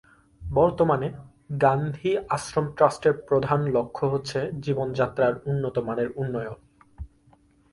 বর্তমানে, গান্ধী আশ্রম ট্রাস্টের প্রধান লক্ষ্য হচ্ছে জীবনযাত্রার উন্নত মানের উন্নয়ন।